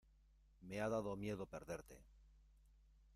me ha dado miedo perderte.